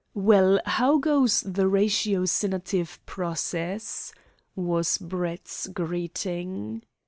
"Well, how goes the ratiocinative process?' was Brett's greeting.